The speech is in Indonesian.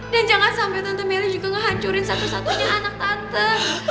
dan jangan sampai tante melly juga ngehancurin satu satunya anak tante